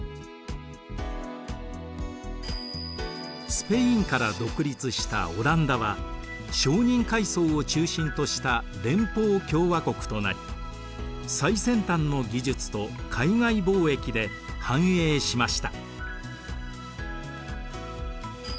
スペインから独立したオランダは商人階層を中心とした連邦共和国となり最先端の技術と海外貿易で繁栄しました。